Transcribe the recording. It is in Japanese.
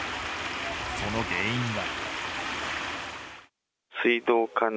その原因は。